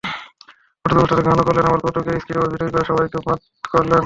অথচ অনুষ্ঠানে গানও করলেন, আবার কৌতুকের স্কিডে অভিনয় করে সবাইকে মাত করলেন।